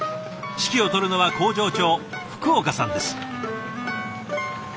指揮を執るのは工場長福岡さんです。